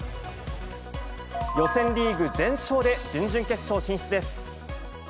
予選リーグ全勝で準々決勝進出です。